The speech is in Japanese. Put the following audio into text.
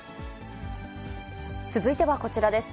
続いてはこちらです。